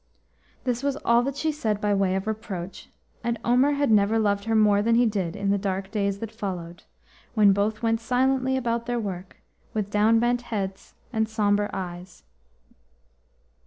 This was all that she said by way of reproach, and Omer had never loved her more than he did in the dark days that followed, when both went silently about their work with down bent heads and sombre eyes.